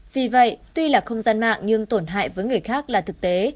vì vậy tuy là không gian mạng nhưng tổn hại với người khác là thực tế